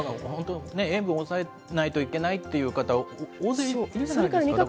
塩分抑えないといけないっていう方、大勢いるじゃないですか。